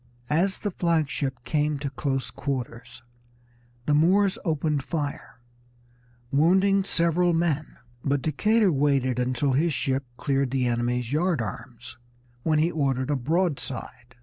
As the flag ship came to close quarters the Moors opened fire, wounding several men, but Decatur waited until his ship cleared the enemy's yard arms, when he ordered a broadside.